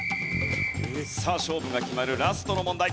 さあ勝負が決まるラストの問題。